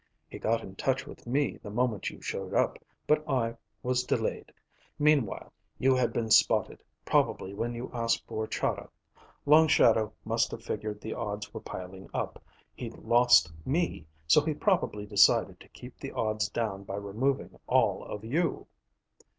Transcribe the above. He got in touch with me the moment you showed up, but I was delayed. Meanwhile, you had been spotted, probably when you asked for Chahda. Long Shadow must have figured the odds were piling up. He'd lost me, so he probably decided to keep the odds down by removing all of you."